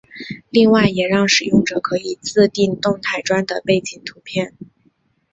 另外也让使用者可以自订动态砖的背景图片。